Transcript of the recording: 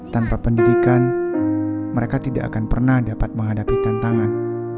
tanpa pendidikan mereka tidak akan pernah dapat menghadapi tantangan